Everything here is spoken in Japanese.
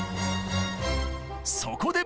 そこで！